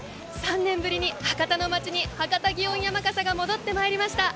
３年ぶりに博多の待ちに博多祇園山笠が戻ってきました。